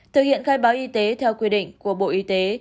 thực hiện khai báo y tế theo quy định của bộ y tế